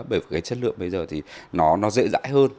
bởi vì cái chất lượng bây giờ thì nó dễ dãi hơn